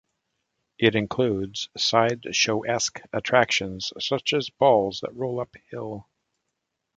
It includes side show-esque attractions such as balls that roll up hill.